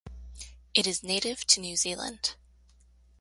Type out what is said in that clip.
It is native to New Zealand.